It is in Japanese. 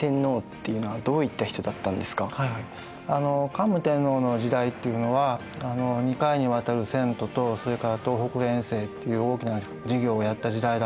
桓武天皇の時代っていうのは２回にわたる遷都とそれから東北遠征っていう大きな事業をやった時代だった。